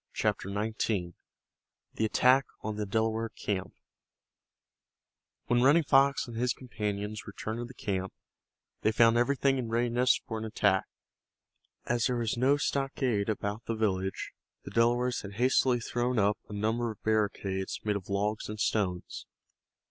CHAPTER XIX—THE ATTACK ON THE DELAWARE CAMP When Running Fox and his companions returned to the camp they found everything in readiness for an attack. As there was no stockade about the village, the Delawares had hastily thrown up a number of barricades made of logs and stones.